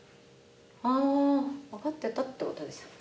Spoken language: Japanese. あ分かってたってことですよね。